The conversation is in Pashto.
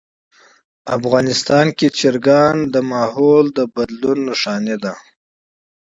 افغانستان کې چرګان د چاپېریال د تغیر نښه ده.